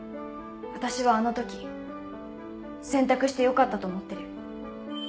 私はあの時選択してよかったと思ってる。